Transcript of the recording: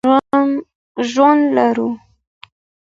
ژوند لرو.